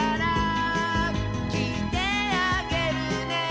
「きいてあげるね」